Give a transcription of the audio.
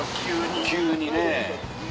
急にね。